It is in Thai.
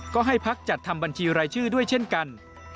ก็ให้พักจัดทำบัญชีรายชื่อด้วยเช่นกัน